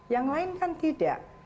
yang lain kan tidak